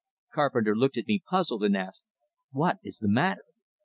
Carpenter looked at me, puzzled, and asked, "What is the matter?"